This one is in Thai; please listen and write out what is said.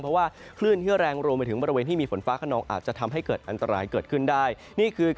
เพราะว่าคลื่นเที่ยวแรงรวมไปถึงบริเวณที่มีฝนฟ้าขนอง